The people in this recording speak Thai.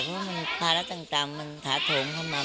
เพราะว่าภาระต่างมันถาโถมเข้ามา